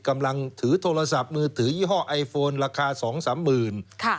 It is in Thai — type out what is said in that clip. กำลังถือโทรศัพท์มือถือยี่ห้อไอโฟนราคา๒๓หมื่น